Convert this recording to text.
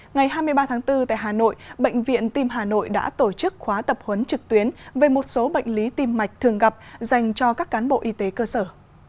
ngày hai mươi ba tháng bốn tại hà nội bệnh viện tim hà nội đã tổ chức khóa tập huấn trực tuyến về một số bệnh lý tim mạch thường gặp dành cho các cán bộ y tế cơ sở